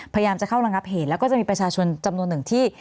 พยายามจะเข้าระงับเหตุแล้วก็จะมีประชาชนจำนวนหนึ่งที่